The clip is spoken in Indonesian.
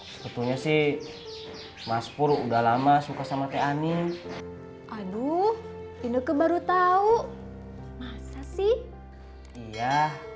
sebetulnya sih mas pur udah lama suka sama kayak ani aduh indoku baru tahu masa sih iya